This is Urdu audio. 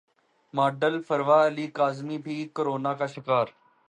ماڈل فروا علی کاظمی بھی کورونا کا شکار